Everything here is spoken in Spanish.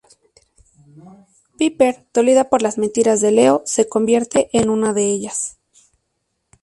Piper, dolida por las mentiras de Leo, se convierte en una de ellas.